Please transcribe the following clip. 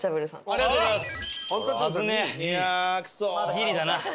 ありがとうございます。